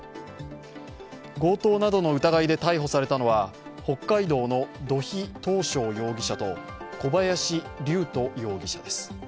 合同などの疑いで逮捕されたのは北海道の土肥斗晶容疑者と小林龍斗容疑者です。